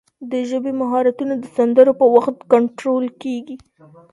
د ژبې مهارتونه د سندرو په وخت کنټرول کېږي.